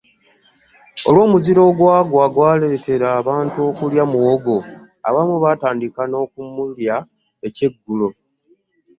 Olw'omuzira ogwagwa gwaleetera abantu okulya muwogo, abamu batandise n'okumulya ekyeggulo.